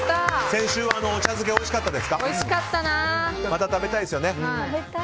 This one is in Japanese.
先週はお茶漬けおいしかったですか。